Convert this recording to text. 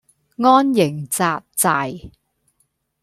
安營紮寨